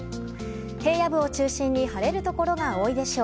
平野部を中心に晴れるところが多いでしょう。